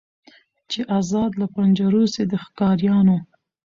چي آزاد له پنجرو سي د ښکاریانو